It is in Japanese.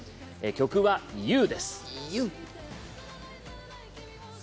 曲は「Ｕ」です